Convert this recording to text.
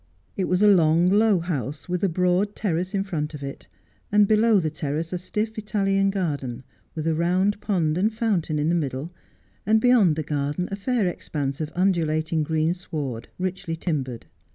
It was a long, low house, with a broad terrace in front of it, and below the ten ace a stiff Italian garden, with a round pond and fountain in the middle, and beyond the garden a fair expanse of undulating <reen sward, richly timbered.